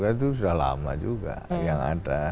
itu sudah lama juga yang ada